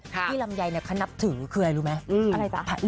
ที่ลำยัยเนี่ยขนับถือคืออะไรรู้ไหม